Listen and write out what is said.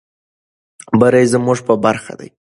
بري زموږ په برخه ده.